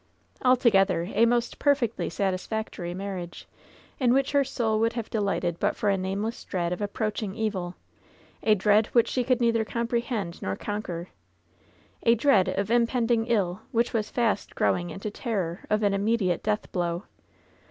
Altogether a most perfectly satisfactory marriage, in which her soul would have delighted but for a nameless drelad of approaching evil — a dread which she could neither comprehend nor 86 LOVE'S BITTEREST CUP conquer — a dread of impeding iU which was fast grow* ing into terror of an immediate death blow.